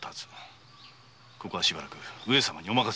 ここはしばらく上様にお任せしよう。